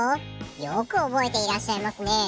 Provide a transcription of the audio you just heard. よく覚えていらっしゃいますね。